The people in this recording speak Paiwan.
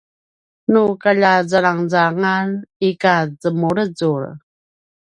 nu kaljazalangezangan ika zemulezul